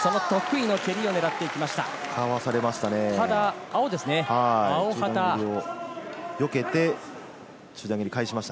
その得意の蹴りを狙っていきました。